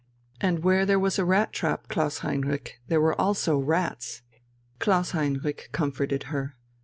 And where there was a rat trap, Klaus Heinrich, there were also rats.... Klaus Heinrich comforted her.